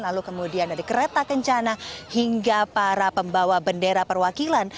lalu kemudian dari kereta kencana hingga para pembawa bendera perwakilan